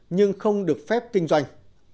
nhưng không được phép kinh doanh